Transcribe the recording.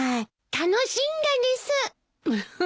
楽しんだです。